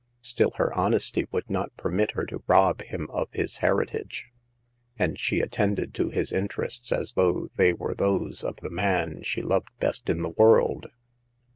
Still, her honesty would not permit her to rob him of his heritage ; and she attended to his interests as though they were those of the man she loved best in the world.